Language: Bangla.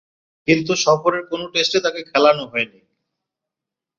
কিন্তু সফরের কোন টেস্টে তাকে খেলানো হয়নি।